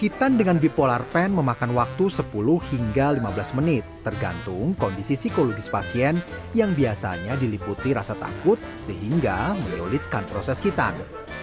hitan dengan bipolar pen memakan waktu sepuluh hingga lima belas menit tergantung kondisi psikologis pasien yang biasanya diliputi rasa takut sehingga meliolitkan proses hitan